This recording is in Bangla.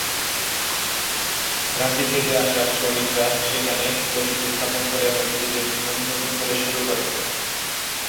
রাঁচি থেকে আসা শ্রমিকরা সেখানে বসতি স্থাপন করে এবং নিজেদের জীবন নতুন করে শুরু করে।